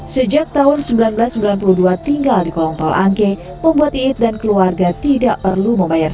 sejak tahun seribu sembilan ratus sembilan puluh dua tinggal di kolong tol angke membuat iit dan keluarga tidak perlu membayar